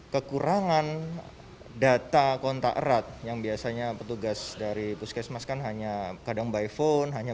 kekurangan data kontak erat yang biasanya petugas dari puskesmas kan hanya kadang by phone hanya